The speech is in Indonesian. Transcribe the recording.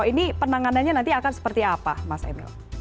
ini penanganannya nanti akan seperti apa mas emil